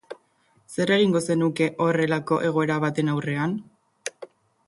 Zer egingo zenuke horrelako egoera baten aurrean?